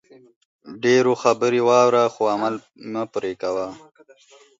ډېرو خبرې واوره خو عمل مه پرې کوئ